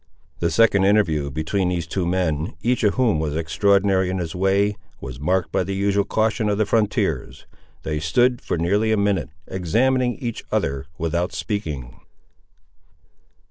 The second interview between these two men, each of whom was extraordinary in his way, was marked by the usual caution of the frontiers. They stood, for nearly a minute, examining each other without speaking.